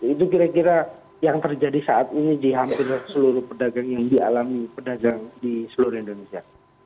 itu kira kira yang terjadi saat ini di hampir seluruh pedagang yang dialami pedagang di seluruh indonesia